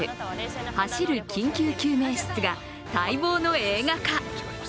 走る緊急救命室」が待望の映画化。